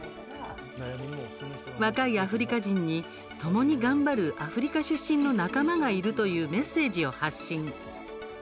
若いアフリカ人に、ともに頑張るアフリカ出身の仲間がいるというメッセージを発信。